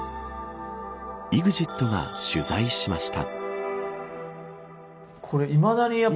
ＥＸＩＴが取材しました。